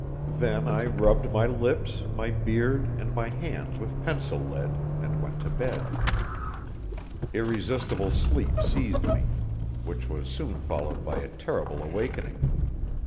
Then I rubbed my lips, my beard and my hands with pencil lead, and went to bed. Irresistible sleep seized me, which was soon followed by a terrible awakening.